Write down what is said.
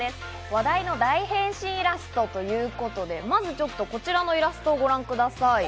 話題の大変身イラストということで、まずこちらのイラスト、ご覧ください。